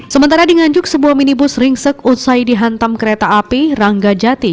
sementara diganjuk sebuah minibus ringsek usai dihantam kereta api ranggajati